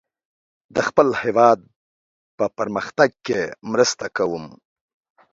زه د خپل هیواد په پرمختګ کې مرسته کوم.